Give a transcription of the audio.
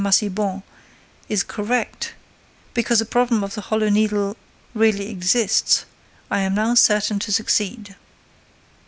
Massiban, is correct, because a problem of the Hollow Needle really exists, I am now certain to succeed."